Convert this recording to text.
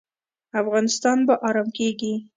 افغانستان به ارام کیږي؟